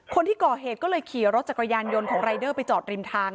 คนที่ก่อเหตุก็เลยขี่รถจักรยานยนต์ของรายเดอร์ไปจอดริมทาง